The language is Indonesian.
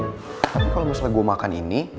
tapi kalau misalnya gue makan ini